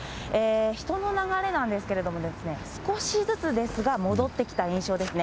人の流れなんですけれども、少しずつですが、戻ってきた印象ですね。